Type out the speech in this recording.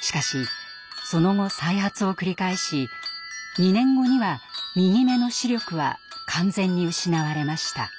しかしその後再発を繰り返し２年後には右目の視力は完全に失われました。